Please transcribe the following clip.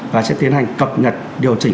và sẽ tiến hành cập nhật điều chỉnh